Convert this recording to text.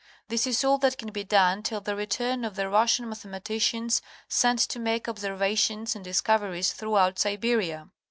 This is all that can be done till y* return of y® Russian Mathematicians sent to make observations and discoveries throughout Siberia."